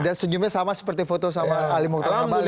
dan senyumnya sama seperti foto sama alimu kutub kambal